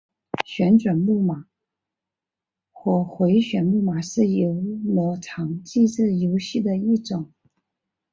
旋转木马或回转木马是游乐场机动游戏的一种。